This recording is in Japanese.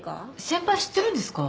先輩知ってるんですか？